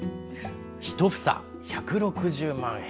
１房１６０万円。